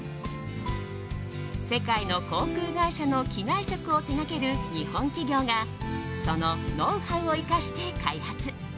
世界の航空会社の機内食を手掛ける日本企業がそのノウハウを生かして開発。